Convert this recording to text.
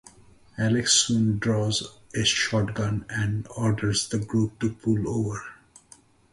Alex soon draws a shotgun and orders the group to pull over.